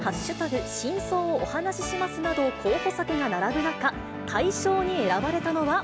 真相をお話ししますなど、候補作が並ぶ中、大賞に選ばれたのは。